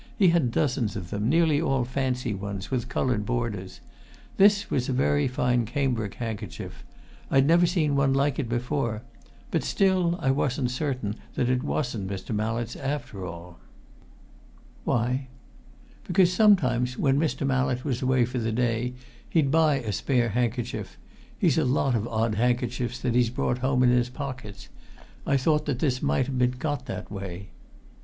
He has dozens of them, nearly all fancy ones, with coloured borders. This was a very fine cambric handkerchief I'd never seen one like it before. But, still, I wasn't certain that it wasn't Mr. Mallett's after all." "Why?" "Because sometimes when Mr. Mallett was away for the day he'd buy a spare handkerchief he's a lot of odd handkerchiefs that he's brought home in his pockets. I thought this might have been got that way."